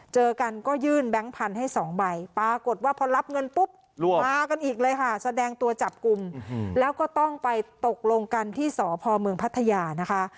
เจอกันก็ยื่นแบงค์พันธุ์ให้๒ใบปรากฏว่าพอรับเงินปุ๊บมากันอีกเลยค่ะแสดงตัวจับกลุ่มแล้วก็ต้องไปตกลงกันที่สพเมืองพัทยานะคะ